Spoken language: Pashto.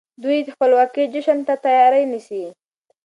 دوی د خپلواکۍ جشن ته تياری نيسي.